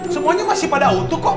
semuanya masih pada utuh kok